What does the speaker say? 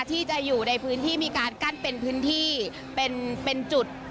ที่จะอยู่ในพื้นที่มีการกั้นเป็นพื้นที่เป็นจุด